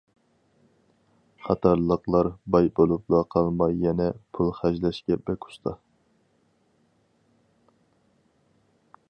قاتارلىقلار باي بولۇپلا قالماي يەنە، پۇل خەجلەشكە بەك ئۇستا.